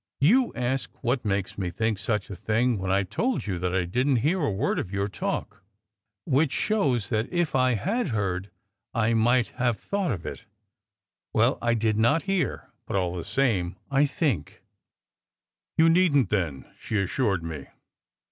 "You ask what makes me think such a thing when I told you that I didn t hear a word of your talk. Which shows that if I had heard, I might have thought of it. Well, I did not hear, but, all the same, I think." 82 SECRET HISTORY "You needn t, then," she assured me.